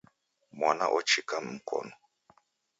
Mwana ochika mkonu.